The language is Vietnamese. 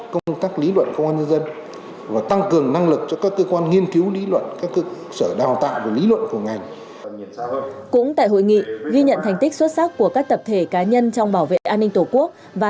công tác lý luận công an nhân dân phải phục vụ đắc lực nhiệm vụ của đảng chính sách phục vụ công an trung ương và bộ công an trung ương